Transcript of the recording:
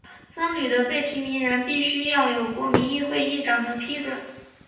僧侣的被提名人必须要有国民议会议长的批准。